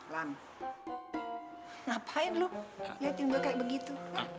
lam ngapain lu liatin gue kayak begitu